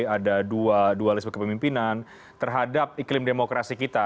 ada dua listrik kepemimpinan terhadap iklim demokrasi kita